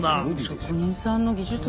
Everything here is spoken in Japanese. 職人さんの技術でしょ。